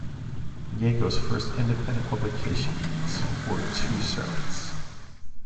Jago's first independent publications were two sermons.